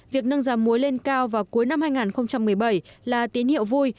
việc nâng giảm muối lên cao vào cuối năm hai nghìn một mươi bảy là tiến hiệu vui